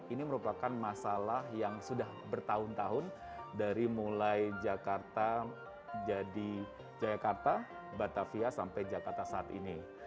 ini merupakan masalah yang sudah bertahun tahun dari mulai jakarta jadi jakarta batavia sampai jakarta saat ini